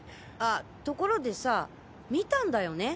あところでさ見たんだよね。